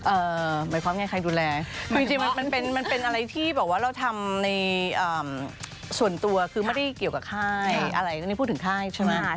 หมายความไงใครดูแลคือจริงมันเป็นมันเป็นอะไรที่บอกว่าเราทำในส่วนตัวคือไม่ได้เกี่ยวกับค่ายอะไรอันนี้พูดถึงค่ายใช่ไหม